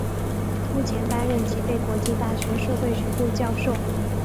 目前担任吉备国际大学社会学部教授。